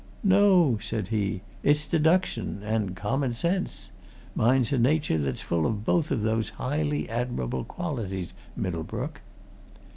"No!" said he. "It's deduction and common sense. Mine's a nature that's full of both those highly admirable qualities, Middlebrook."